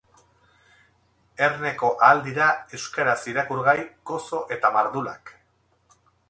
Erneko ahal dira euskaraz irakurgai gozo eta mardulak!